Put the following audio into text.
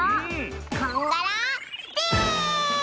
こんがらスティーッ！